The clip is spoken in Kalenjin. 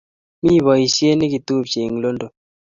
Mi poisyet neketupche eng' London.